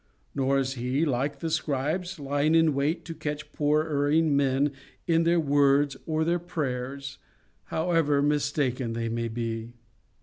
Nor is He, like the scribes, lying in wait to catch poor erring men in their words or their prayers, however mistaken they may be.